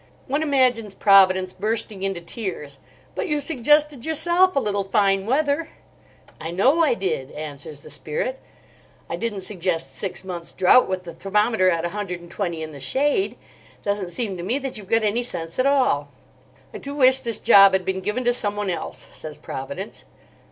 One imagines Providence bursting into tears. "But you suggested yourself a little fine weather." "I know I did," answers the Spirit. "I didn't suggest a six months' drought with the thermometer at a hundred and twenty in the shade. Doesn't seem to me that you've got any sense at all." "I do wish this job had been given to someone else," says Providence.